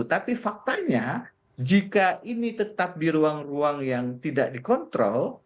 tapi faktanya jika ini tetap di ruang ruang yang tidak dikontrol